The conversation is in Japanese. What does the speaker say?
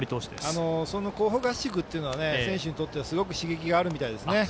その候補合宿というのは選手にとってすごく刺激があるみたいです。